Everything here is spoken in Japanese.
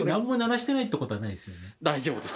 大丈夫です！